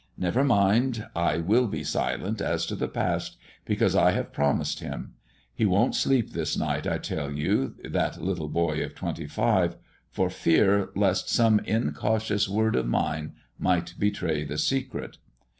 Never mind, I will be silent as to the past, because I have promised him. He wont sleep this night, I tell you, that little boy of twenty five, for fear lest some incautious word of mine might betray the secret."